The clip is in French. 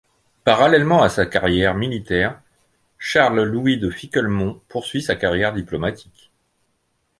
Parallèlement à sa carrière militaire, Charles-Louis de Ficquelmont poursuit sa carrière diplomatique.